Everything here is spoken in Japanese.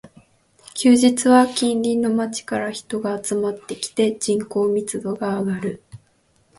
休日は近隣の街から人が集まってきて、人口密度が上がる